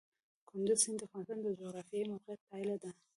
کندز سیند د افغانستان د جغرافیایي موقیعت پایله ده.